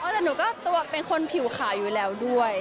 แต่หนูก็ตัวเป็นคนผิวขาวอยู่แล้วด้วย